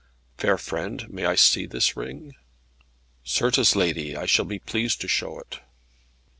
"Fair friend, may I see this ring?" "Certes, lady, I shall be pleased to show it."